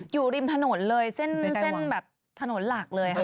อยู่ริมถนนเลยเส้นแบบถนนหลักเลยค่ะ